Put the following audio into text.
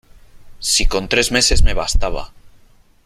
¡ si con tres meses me bastaba !